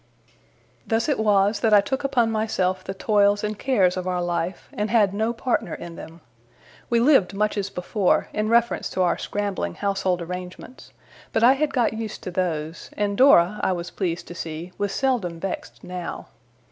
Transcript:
Thus it was that I took upon myself the toils and cares of our life, and had no partner in them. We lived much as before, in reference to our scrambling household arrangements; but I had got used to those, and Dora I was pleased to see was seldom vexed now.